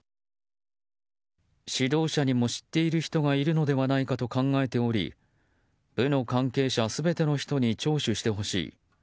指導者にも知っている人がいるのではないかと考えており部の関係者全ての人に聴取してほしい。